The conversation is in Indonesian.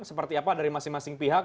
seperti apa dari masing masing pihak